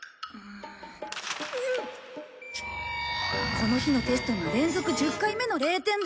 この日のテストが連続１０回目の０点で。